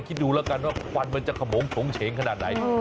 คิดดูแล้วกันว่าควันมันจะขมงโฉงเฉงขนาดไหน